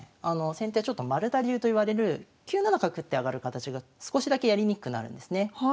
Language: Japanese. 先手はちょっと丸田流といわれる９七角って上がる形が少しだけやりにくくなるんですね。